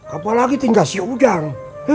apalagi tinggah si ujang